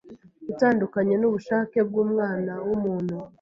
itandukanye n’ubushake bw’umwana w’umuntu